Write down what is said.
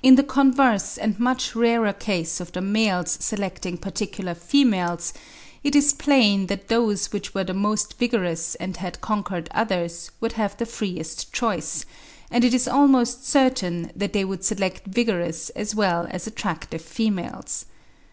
In the converse and much rarer case of the males selecting particular females, it is plain that those which were the most vigorous and had conquered others, would have the freest choice; and it is almost certain that they would select vigorous as well as attractive females.